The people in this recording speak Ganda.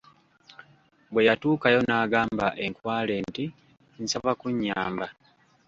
Bwe yatuukayo n'agamba enkwale nti; nsaba kunyamba.